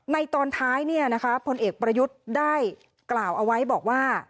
ตอนท้ายผลเอกประยุทธ์ได้กล่าวเอาไว้บอกว่า